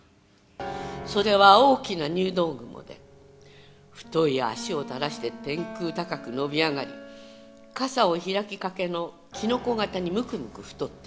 「それは大きな入道雲で太い足を垂らして天空高く伸び上がり傘を開きかけのキノコ形にむくむく太っていく」